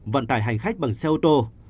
vận tải hành khách bằng xe ô tô